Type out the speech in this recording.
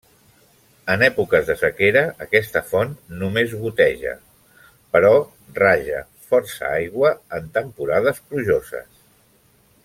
En èpoques de sequera aquesta font només goteja, però raja força aigua en temporades plujoses.